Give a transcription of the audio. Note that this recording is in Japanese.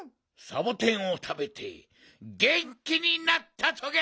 サボテンをたべてげんきになったトゲ！